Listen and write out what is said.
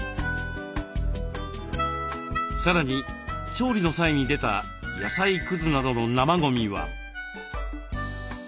さらに調理の際に出た野菜くずなどの生ゴミは。